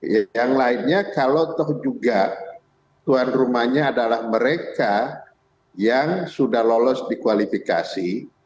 yang lainnya kalau toh juga tuan rumahnya adalah mereka yang sudah lolos di kualifikasi